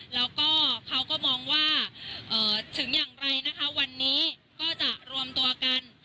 แล้วก็เขาก็มองว่าถึงอย่างไรนะคะวันนี้ก็จะรวมตัวกัน